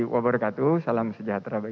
wabarakatuh salam sejahtera bagi